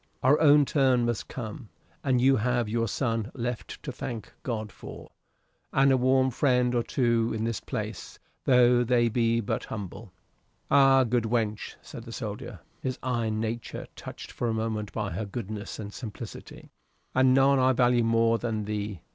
Our own turn must come. And you have your son left to thank God for, and a warm friend or two in this place, tho' they be but humble." "Ay, good wench," said the soldier, his iron nature touched for a moment by her goodness and simplicity, "and none I value more than thee.